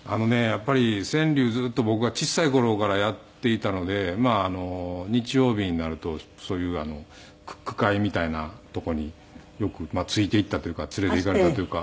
やっぱり川柳ずっと僕は小さい頃からやっていたのでまあ日曜日になるとそういう句会みたいな所によくまあついて行ったというか連れて行かれたというか。